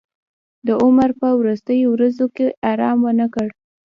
د عمر په وروستیو ورځو کې ارام ونه کړ.